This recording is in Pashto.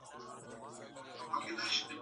پنډي په اوږه باندي ګڼ توکي راوړي دي.